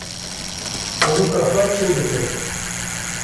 holika xwe çê dikirin